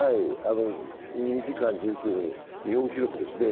２時間１９分、日本記録ですね。